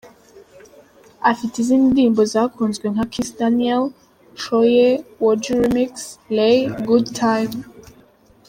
Afite izindi ndirimbo zakunzwe nka “Kiss Daniel”, “Shoye”, “Woju Remix”, “Laye”, “Good Time”.